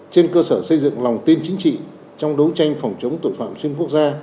trên cơ sở xây dựng lòng tin chính trị trong đấu tranh phòng chống tội phạm xuyên quốc gia